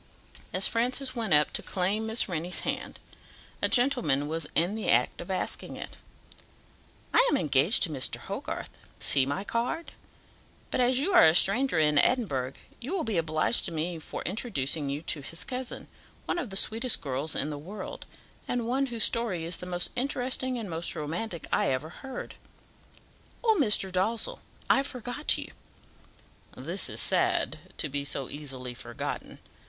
As Francis went up to claim Miss Rennie's hand, a gentleman was in the act of asking it "I am engaged to Mr. Hogarth see my card but as you are a stranger in Edinburgh, you will be obliged to me for introducing you to his cousin, one of the sweetest girls in the world, and one whose story is the most interesting and the most romantic I ever heard. Oh! Mr. Dalzell, I forgot you." "This is sad, to be so easily forgotten.